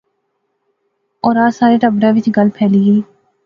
اورار سارے ٹبرے وچ گل پھیلی گئی